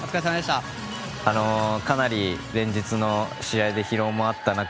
かなり連日の試合で疲労もあった中